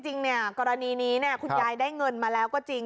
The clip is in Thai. จริงกรณีนี้คุณยายได้เงินมาแล้วก็จริง